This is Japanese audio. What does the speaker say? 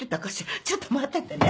ちょっと待っててね。